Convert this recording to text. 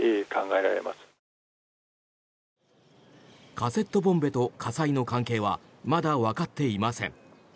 カセットボンベと火災の関係はまだわかっていません。